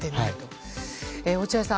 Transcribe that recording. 落合さん